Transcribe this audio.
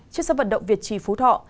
trên sân vận động việt trì phú thọ